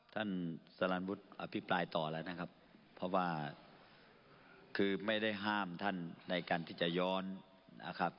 สลันวุฒิอภิปรายต่อแล้วนะครับเพราะว่าคือไม่ได้ห้ามท่านในการที่จะย้อนนะครับ